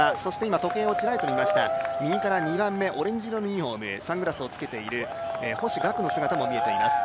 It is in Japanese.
時計をちらりと見ました、右から２番目、オレンジ色のユニフォームサングラスをつけている星岳の姿も見えています。